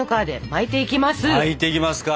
巻いていきますか。